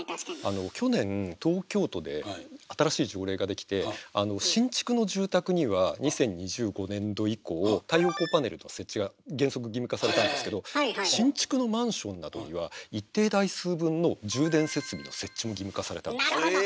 去年東京都で新しい条例が出来て新築の住宅には２０２５年度以降太陽光パネルの設置が原則義務化されたんですけど新築のマンションなどには一定台数分のなるほど！